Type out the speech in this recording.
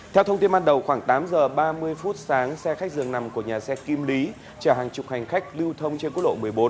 theo thông tin ban đầu khoảng tám giờ ba mươi phút sáng xe khách dường nằm của nhà xe kim lý chở hàng chục hành khách lưu thông trên quốc lộ một mươi bốn